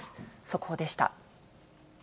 速報でした。